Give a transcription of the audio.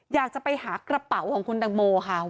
อยากจะไปหากระเป๋าของคุณตังโมค่ะ